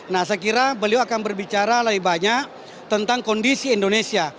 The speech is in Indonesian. nah saya kira beliau akan berbicara lebih banyak tentang kondisi indonesia